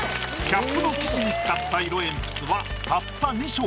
キャップの生地に使った色鉛筆はたった２色。